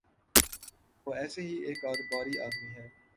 وہ ایسے ہی ایک کاروباری آدمی ہیں۔